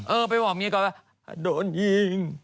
เออไปบอกเมียก่อนว่าโดนยิง